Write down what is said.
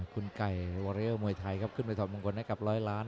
คุณไก่วอเรอร์มวยไทยครับขึ้นไปถอดมงคลให้กับร้อยล้าน